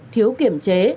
thiếu kiểm chế